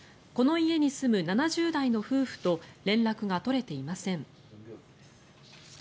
この家に住む７０代の夫婦と連絡が取れていません。